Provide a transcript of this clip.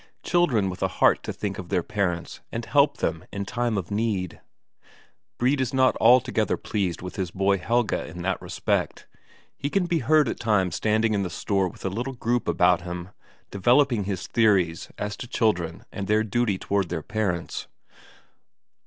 Children with a heart to think of their parents and help them in time of need! Brede is not altogether pleased with his boy Helge in that respect; he can be heard at times standing in the store with a little group about him, developing his theories as to children and their duty toward their parents.